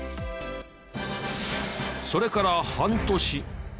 それから半年。